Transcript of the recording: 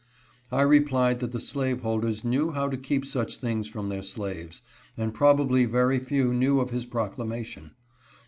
I replied that the slaveholders knew how to keep such things from their slaves, and probably very few knew of his proclamation.